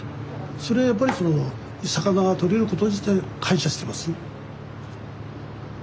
それはやっぱり魚が取れること自体感謝してます。